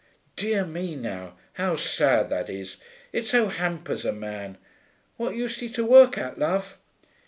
Dear me, now, how sad that is. It so hampers a man. What used he to work at, love?'